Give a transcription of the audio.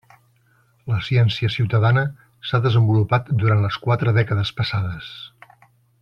La ciència ciutadana s'ha desenvolupat durant les quatre dècades passades.